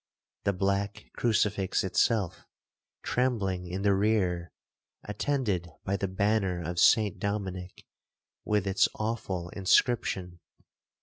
—the black crucifix itself, trembling in the rear, attended by the banner of St Dominick, with its awful inscription.